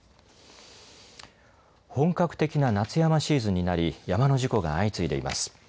本格的な夏山シーズンになり山の事故が相次いでいます。